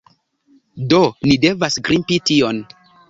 Do ni devas grimpi tion.